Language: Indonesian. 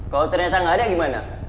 kalau ternyata nggak ada gimana